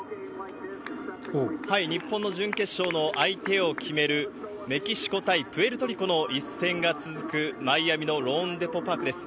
日本の準決勝の相手を決める、メキシコ対プエルトリコの一戦が続く、マイアミのローンデポ・パークです。